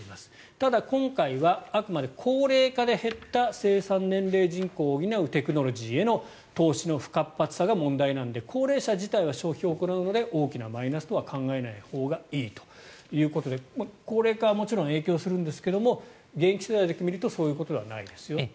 ただ、今回は、あくまで高齢化で減った生産年齢人口を補うテクノロジーへの投資の不活発さが問題なので高齢者自体は消費を行うので大きなマイナスとは考えないほうがいいということで高齢化はもちろん影響するんですが現役世代だけ見るとそういうことではないですよと。